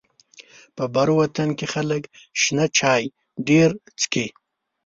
په بر وطن کې خلک شنه چای ډيره څکي.